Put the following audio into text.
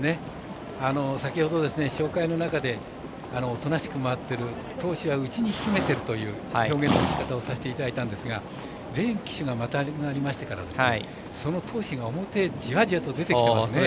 先ほど紹介の中でおとなしく回ってる闘志を内に秘めてるという表現のしかたをさせていただきましたがレーン騎手がまたがりましてからその闘志が表にじわじわと出てきてますね。